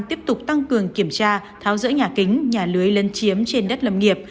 tiếp tục tăng cường kiểm tra tháo rỡ nhà kính nhà lưới lân chiếm trên đất lâm nghiệp